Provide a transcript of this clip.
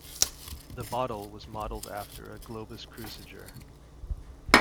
The bottle was modeled after a Globus cruciger.